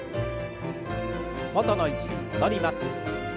元の位置に戻ります。